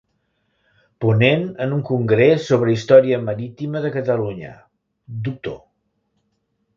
>>Ponent en un Congrés sobre Història Marítima de Catalunya: doctor